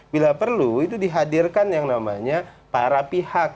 bila perlu itu dihadirkan yang namanya para pihak